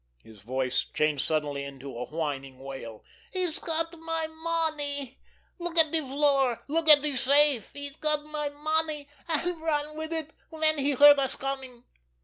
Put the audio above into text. His voice changed suddenly into a whining wail. "He's got my money! Look at the floor—look at the safe! He's got my money, and run with it when he heard us coming."